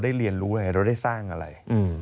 ได้เรียนรู้เราได้สร้างอะไร